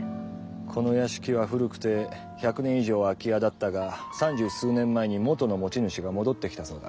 この屋敷は古くて１００年以上空き家だったが三十数年前に元の持ち主が戻ってきたそうだ。